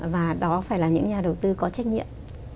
và đó phải là những nhà đầu tư có trách nhiệm